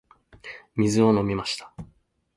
水を飲みました。